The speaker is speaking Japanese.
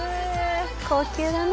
高級だな。